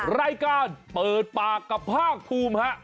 รายการเปิดปากกับภาคภูมิฮะ